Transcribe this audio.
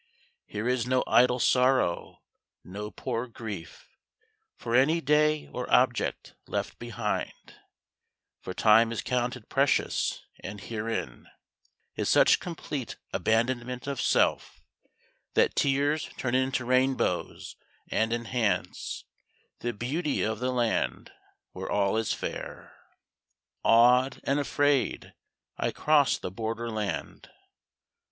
_ Here is no idle sorrow, no poor grief _For any day or object left behind _ For time is counted precious, and herein Is such complete abandonment of Self That tears turn into rainbows, and enhance The beauty of the land where all is fair. _Awed and afraid, I cross the border land.